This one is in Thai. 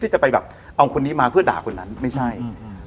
จะไปแบบเอาคนนี้มาเพื่อด่าคนนั้นไม่ใช่อืม